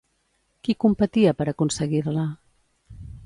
Qui competia per aconseguir-la?